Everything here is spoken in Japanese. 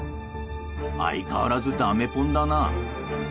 相変わらずダメポンだな。